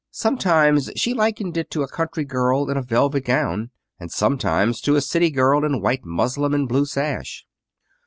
Sometimes she likened it to a country girl in a velvet gown, and sometimes to a city girl in white muslin and blue sash.